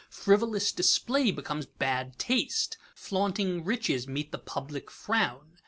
Frivolous display becomes bad taste. Flaunting riches meet the public frown.